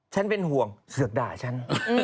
เป็นห่วงเสือกด่าฉัน